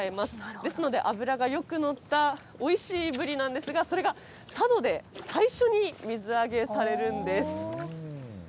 ですので、脂がよく乗ったおいしいブリなんですが、それが佐渡で最初に水揚げされるんです。